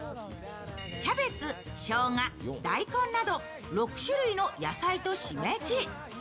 キャベツ、しょうが大根など６種類の野菜としめじ